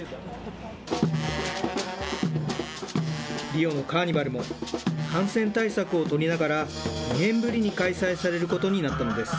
リオのカーニバルも感染対策を取りながら、２年ぶりに開催されることになったのです。